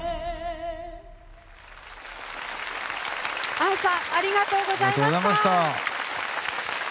ＡＩさんありがとうございました。